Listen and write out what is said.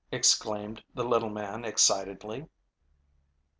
exclaimed the little man excitedly.